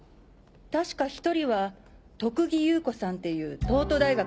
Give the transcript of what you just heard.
確か１人は徳木侑子さんっていう東都大学